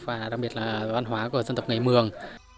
và đặc biệt là văn hóa của dân tộc ngày mường